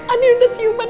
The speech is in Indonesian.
anir udah siuman